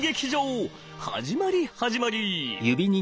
始まり始まり。